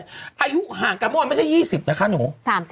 อายุห่างกันเมื่อวานไม่ใช่๒๐นะคะหนู